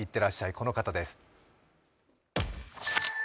この方です。